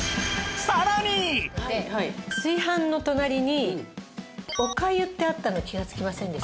「炊飯」の隣に「お粥」ってあったの気がつきませんでした？